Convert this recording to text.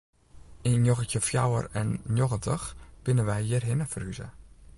Yn njoggentjin fjouwer en njoggentich binne we hjirhinne ferhûze.